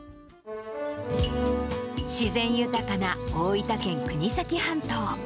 自然豊かな大分県国東半島。